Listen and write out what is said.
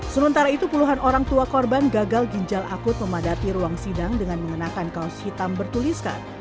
sementara itu puluhan orang tua korban gagal ginjal akut memadati ruang sidang dengan mengenakan kaos hitam bertuliskan